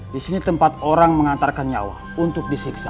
disini tempat orang mengantarkan nyawa untuk disiksa